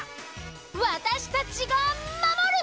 わたしたちがまもる！